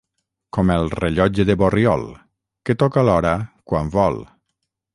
Com el rellotge de Borriol, que toca l'hora quan vol.